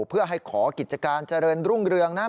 เพื่อให้ขอกิจการเจริญรุ่งเรืองนะครับ